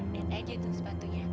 lihat aja tuh sepatunya